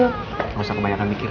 gak usah kebanyakan mikir